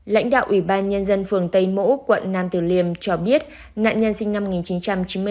lãnh đạo ủy ban nhân dân phường tây mỗ quận năm tây liêm cho biết nạn nhân sinh năm một nghìn chín trăm chín mươi năm